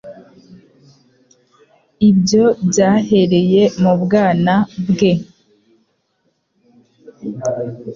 ibyo byahereye mu bwana bwe.